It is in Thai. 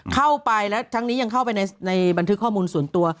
เข้าไปและทั้งนี้ยังเข้าไปในบันทึกข้อมูลส่วนตัว